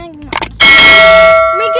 gimana harus berani